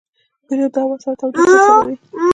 پیلوټ د هوا سړه تودوخه حسابوي.